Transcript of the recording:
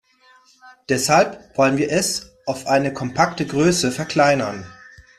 Deshalb wollen wir es auf eine kompakte Größe verkleinern.